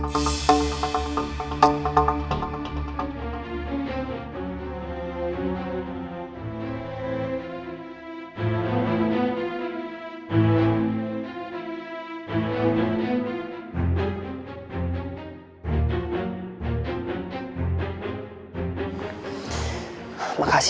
sampai jumpa lagi